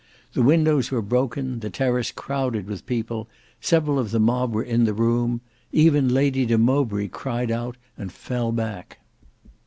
The windows were broken, the terrace crowded with people, several of the mob were in the room, even Lady de Mowbray cried out and fell back.